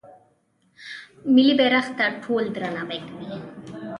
ملي بیرغ ته ټول درناوی کوي.